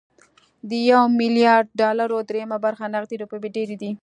د يو ميليارد ډالرو درېيمه برخه نغدې روپۍ ډېرې دي.